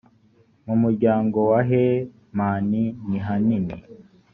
mu muryango wa hemani nihanini